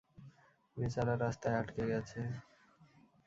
বেচারা, রাস্তায় আটকে গেছে।